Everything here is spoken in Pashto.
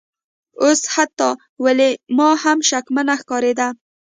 اوس حتی ویلما هم شکمنه ښکاریده